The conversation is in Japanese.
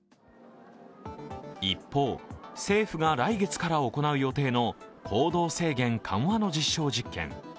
一方、政府が来月から行う予定の行動制限緩和の実証実験。